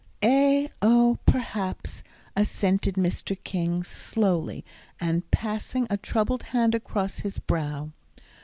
"Eh oh, perhaps," assented Mr. King, slowly, and passing a troubled hand across his brow.